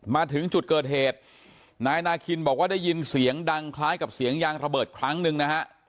มาถึงจุดเกิดเหตุนายนาคินบอกว่าได้ยินเสียงดังคล้ายกับเสียงยางระเบิดครั้งหนึ่งนะฮะ